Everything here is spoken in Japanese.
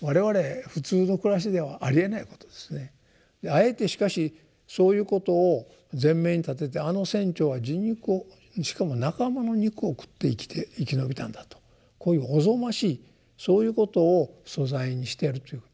あえてしかしそういうことを全面に立ててあの船長は人肉をしかも仲間の肉を食って生き延びたんだとこういうおぞましいそういうことを素材にしてるという。